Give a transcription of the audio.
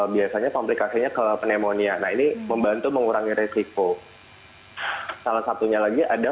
biasanya komplikasinya ke pneumonia nah ini membantu mengurangi resiko salah satunya lagi ada